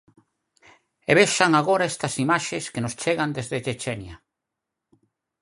E vexan agora estas imaxes que nos chegan desde Chechenia.